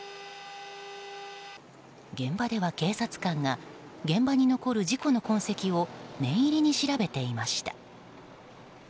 現場では、警察官が現場に残る事故の痕跡を念入りに調べていました。